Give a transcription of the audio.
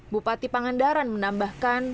bupati pangandaran menambahkan